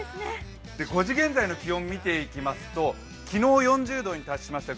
５時現在の気温を見ていきますと昨日４０度に達しました